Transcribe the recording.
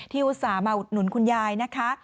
อุตส่าห์มาอุดหนุนคุณยายนะคะ